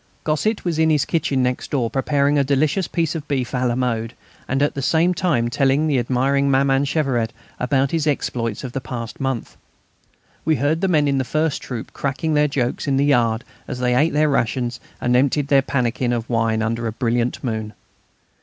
Gosset was in his kitchen next door preparing a delicious piece of beef à la mode and at the same time telling the admiring Maman Cheveret about his exploits of the past month. We heard the men of the first troop cracking their jokes in the yard as they ate their rations and emptied their pannikin of wine under a brilliant moon.